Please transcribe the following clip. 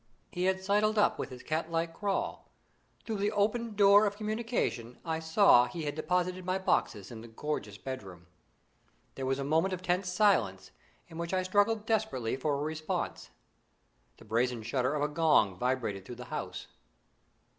He had sidled up with his cat like crawl. Through the open door of communication I saw he had deposited my boxes in the gorgeous bedroom. There was a moment of tense silence, in which I struggled desperately for a response. The brazen shudder of a gong vibrated through the house.